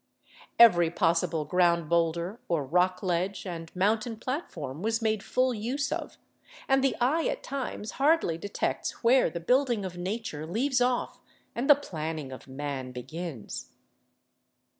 Every possible ground boulder or rock ledge and mountain platform was made full use of, and the eye at times hardly detects where the building of nature leaves off and the planning of man begins.